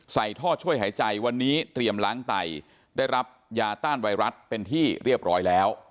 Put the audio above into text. ท่อช่วยหายใจวันนี้เตรียมล้างไตได้รับยาต้านไวรัสเป็นที่เรียบร้อยแล้ว